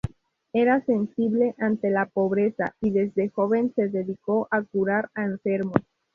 Era sensible ante la pobreza y desde joven se dedicó a curar a enfermos.